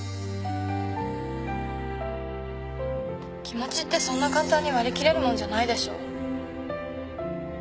気持ちってそんな簡単に割り切れるもんじゃないでしょ。